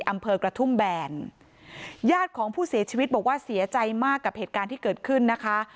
อำเภอกระทุ่มแบนญาติของผู้เสียชีวิตบอกว่าเสียใจมากกับเหตุการณ์ที่เกิดขึ้นนะคะ